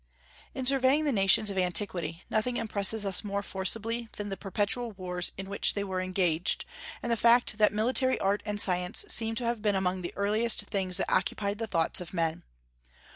In surveying the nations of antiquity nothing impresses us more forcibly than the perpetual wars in which they were engaged, and the fact that military art and science seem to have been among the earliest things that occupied the thoughts of men.